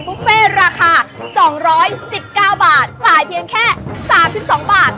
บุฟเฟต์ราคาสองร้อยสิบเก้าบาทจ่ายเพียงแค่๓๒บาท